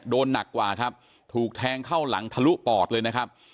หนักกว่าครับถูกแทงเข้าหลังทะลุปอดเลยนะครับ